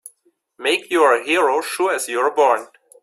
Make you're a hero sure as you're born!